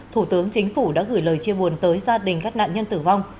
thủ tướng chính phủ đã gửi lời chia buồn tới gia đình các nạn nhân tử vong